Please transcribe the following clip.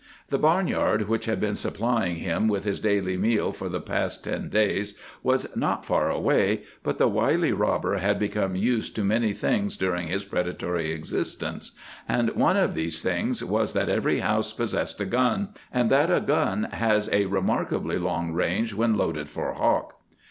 The barnyard which had been supplying him with his daily meal for the past ten days was not far away, but the wily robber had become used to many things during his predatory existence, and one of these things was that every house possessed a gun, and that a gun has a remarkably long range when loaded for hawk.